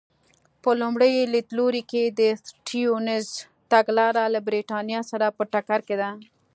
په لومړي لیدلوري کې د سټیونز تګلاره له برېټانیا سره په ټکر کې ده.